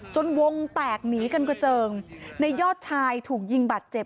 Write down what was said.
วงแตกหนีกันกระเจิงในยอดชายถูกยิงบาดเจ็บ